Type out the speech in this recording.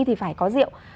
thì phải có rượu